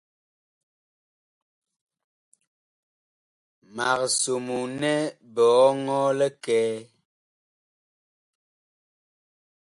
Mag somoo nɛ biɔŋɔɔ likɛɛ.